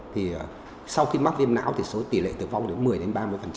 thì sau khi mắc viêm não thì số tỷ lệ tử vong đến một mươi đến ba mươi